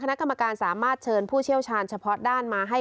คณะกรรมการสามารถเชิญผู้เชี่ยวชาญเฉพาะด้านมาให้